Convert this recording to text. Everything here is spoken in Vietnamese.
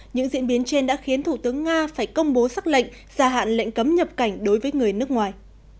những diễn biến trên đã khiến thủ tướng nga phải công bố xác lệnh gia hạn lệnh cấm nhập cảnh đối với người nước ngoài